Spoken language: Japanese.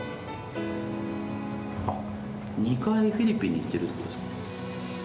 あっ、２回フィリピンに行ってるってことですか。